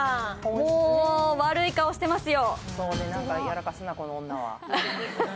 もう悪い顔してますよ。